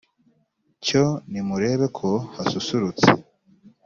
Cyo nimurebe ko hasusurutse